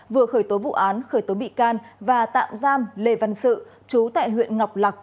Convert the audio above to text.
vừa khởi tố vụ án khởi tố bị can và tạm giam lê văn sự chú tại huyện ngọc lạc